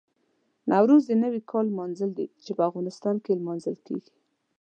نوروز د نوي کال لمانځل دي چې په افغانستان کې لمانځل کېږي.